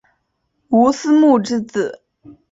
吴思穆之子。